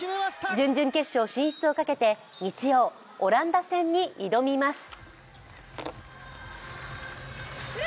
準々決勝進出をかけて日曜オランダ戦に挑みます。